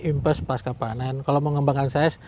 investasi pas kepanen kalau mau mengembangkan size